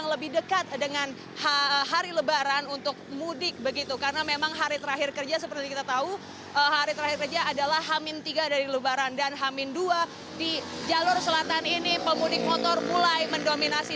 lebih dekat dengan hari lebaran untuk mudik begitu karena memang hari terakhir kerja seperti kita tahu hari terakhir kerja adalah hamin tiga dari lebaran dan hamin dua di jalur selatan ini pemudik motor mulai mendominasi